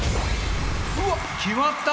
うわっ決まった！